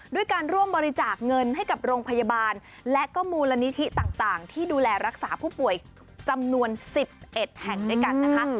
ด้วยการร่วมบริจาคเงินให้กับโรงพยาบาลและก็มูลนิธิต่างที่ดูแลรักษาผู้ป่วยจำนวน๑๑แห่งด้วยกันนะคะ